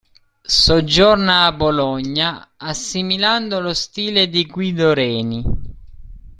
Soggiorna a Bologna assimilando lo stile di Guido Reni.